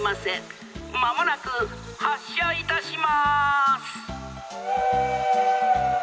まもなくはっしゃいたします！」。